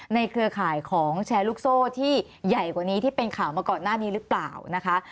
เครือข่ายของแชร์ลูกโซ่ที่ใหญ่กว่านี้ที่เป็นข่าวมาก่อนหน้านี้หรือเปล่านะคะ